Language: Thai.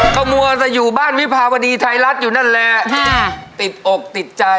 ก็มัวแต่อยู่บ้านวิภาวดีไทยรัฐอยู่นั่นแหละที่ติดอกติดใจ